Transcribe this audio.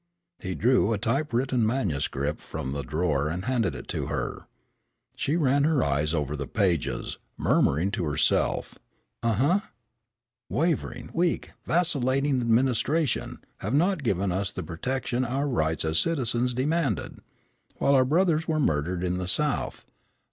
He drew a typewritten manuscript from the drawer and handed it to her. She ran her eyes over the pages, murmuring to herself. "Uh, huh, 'wavering, weak, vaciliating adminstration, have not given us the protection our rights as citizens demanded while our brothers were murdered in the South.